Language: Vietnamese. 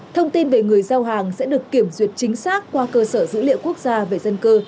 thông tin về người giao hàng sẽ được kiểm duyệt chính xác qua cơ sở dữ liệu quốc gia về dân cư